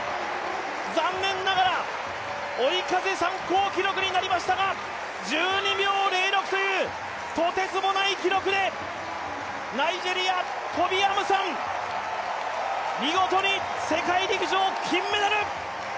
残念ながら追い風参考記録になりましたが１２秒０６というとてつもない記録でナイジェリア、トビ・アムサン、見事に世界陸上金メダル！